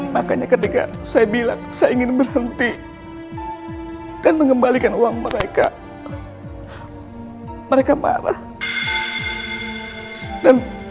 makanya ketika saya bilang saya ingin berhenti dan mengembalikan uang mereka mereka marah